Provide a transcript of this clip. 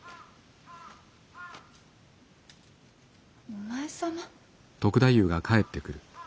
お前様？